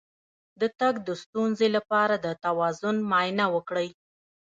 د تګ د ستونزې لپاره د توازن معاینه وکړئ